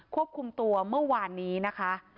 ควบคุมตัวเมื่อวานนี้นะคะ